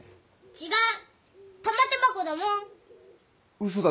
違う！